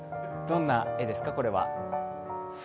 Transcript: どんな絵ですか、これは。